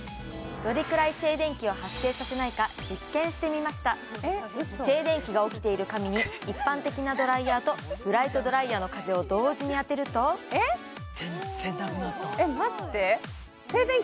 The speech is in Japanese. どれくらい静電気を発生させないか実験してみました静電気が起きている髪に一般的なドライヤーとブライトドライヤーの風を同時に当てると全然なくなったえっ待って静電気